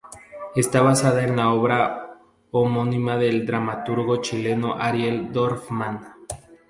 Está basada en la obra homónima del dramaturgo chileno Ariel Dorfman.